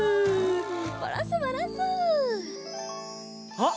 あっ！